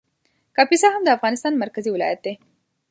کاپیسا هم د افغانستان مرکزي ولایت دی